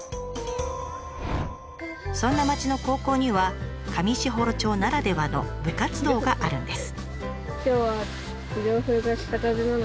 そんな町の高校には上士幌町ならではの部活動があるんです。